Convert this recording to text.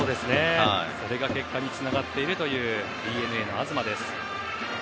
それが結果につながっているＤｅＮＡの東です。